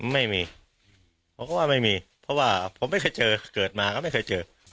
ไม่มีผมก็ว่าไม่มีเพราะว่าผมไม่เคยเจอเกิดมาก็ไม่เคยเจอ